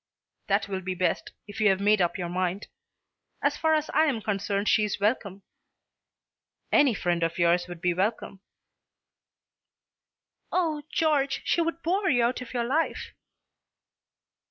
"That will be best, if you have made up your mind. As far as I am concerned she is welcome. Any friend of yours would be welcome." "Oh, George, she would bore you out of your life!"